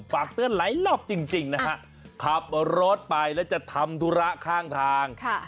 ฝากเตือนหลายรอบจริงนะฮะขับรถไปแล้วจะทำธุระข้างทาง